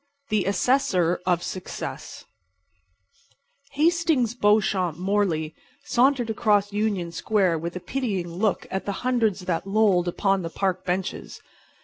THE ASSESSOR OF SUCCESS Hastings Beauchamp Morley sauntered across Union Square with a pitying look at the hundreds that lolled upon the park benches.